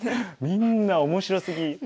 みんな面白すぎ。